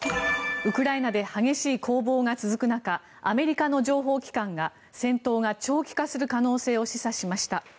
ウクライナで激しい攻防が続く中アメリカの情報機関が戦闘が長期化する可能性を示唆しました。